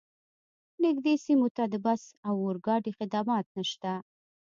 نږدې سیمو ته د بس او اورګاډي خدمات نشته